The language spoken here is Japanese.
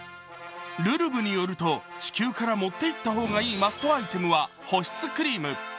「るるぶ」によると地球から持っていった方がいいマストアイテムは保湿クリーム。